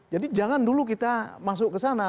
jadi jangan dulu kita masuk ke sana